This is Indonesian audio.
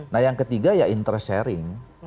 nah yang ketiga ya interest sharing